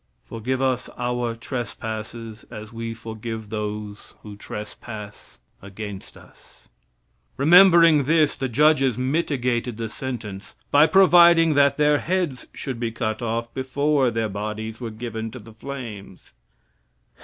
"Forgive us our trespasses as we forgive those who trespass against us." Remembering this, the judges mitigated the sentence by providing that their heads should be cut off before their bodies were given to the flames.